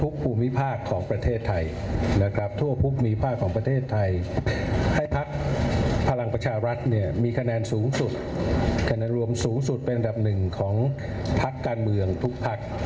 คะแนนรวมสูงสุดเป็นดับหนึ่งของพักการเมืองทุกพัก